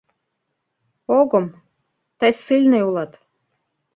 — Огым... тый ссыльный улат.